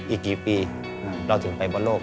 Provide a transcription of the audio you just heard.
อีกกี่ปีเราถึงไปบอลโลก